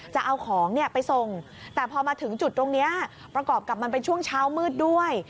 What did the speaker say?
จะเอาของไปส่งแต่พอมาถึงจุดตรงนี้ประกอบกับมันเป็นช่วงเช้ามืดด้วย